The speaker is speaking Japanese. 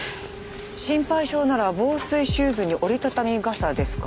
心配性なら防水シューズに折り畳み傘ですか。